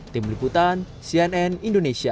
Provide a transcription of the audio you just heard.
tim liputan cnn indonesia